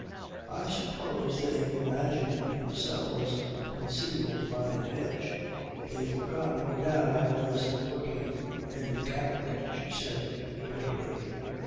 "I suppose they imagined themselves concealed by the hedge. They forgot no doubt I was working in the garret," she said bitterly.